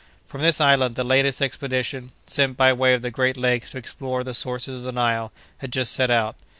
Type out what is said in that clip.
From this island the latest expedition, sent by way of the great lakes to explore the sources of the Nile, had just set out.